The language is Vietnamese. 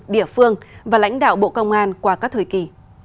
địa phương và lãnh đạo bộ công an qua các thời kỳ